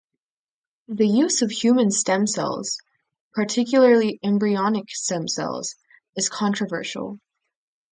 The use of human stem cells, particularly embryonic stem cells, is controversial.